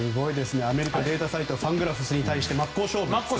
アメリカデータサイトファングラフスに対して真っ向勝負と。